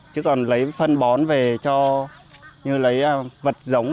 chứ còn lấy phân bón về cho như lấy vật giống